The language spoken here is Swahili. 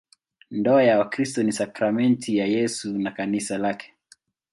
Ndoa ya Wakristo ni sakramenti ya Yesu na Kanisa lake.